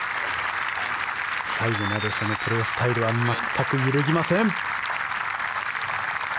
最後までそのプレースタイルは全く揺るぎません。